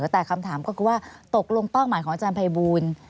แต่คำถามก็คือว่าตกลงเป้าหมายของอาจารย์ภัยบูล